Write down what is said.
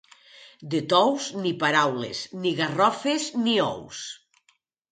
De Tous, ni paraules, ni garrofes ni ous.